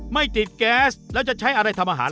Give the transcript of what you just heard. ไม่ติดแก๊สแล้วจะใช้อะไรทำอาหาร